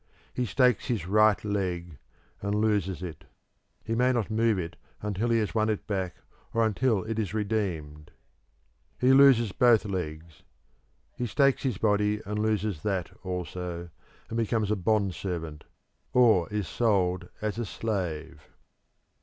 He stakes his right leg and loses it. He may not move it until he has won it back or until it is redeemed. He loses both legs; he stakes his body and loses that also, and becomes a bond servant, or is sold as a slave.